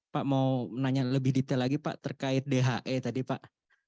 pak mau menanya lebih detail lagi pak terkait dhe tadi pak